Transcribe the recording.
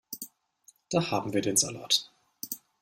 Da haben wir den Salat.